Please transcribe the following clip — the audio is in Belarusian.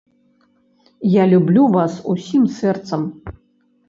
Я люблю вас усім сэрцам.